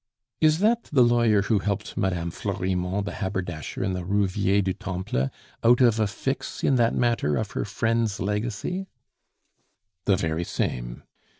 "Is that the lawyer who helped Mme. Florimond the haberdasher in the Rue Vieille du Temple out of a fix in that matter of her friend's legacy?" "The very same."